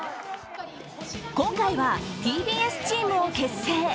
今回はＴＢＳチームを結成。